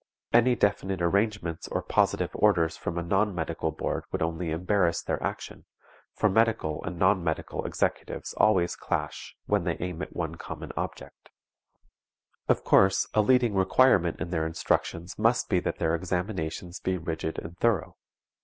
Any definite arrangements or positive orders from a non medical board would only embarrass their action, for medical and non medical executives always clash when they aim at one common object. Of course a leading requirement in their instructions must be that their examinations be rigid and thorough.